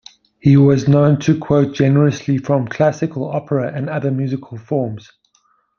He was known to quote generously from classical, opera and other musical forms.